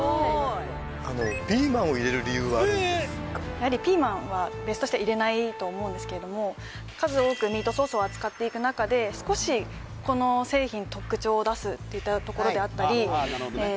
あのピーマンはベースとして入れないと思うんですけれども数多くミートソースを扱っていく中で少しこの製品特徴を出すっていったところであったりええ